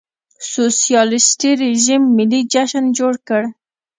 سوسیالېستي رژیم ملي جشن جوړ کړ.